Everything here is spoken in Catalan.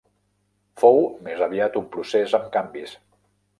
Fou més aviat un procés amb canvis.